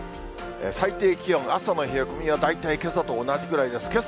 最低気温、朝の冷え込みは大体けさと同じぐらいです。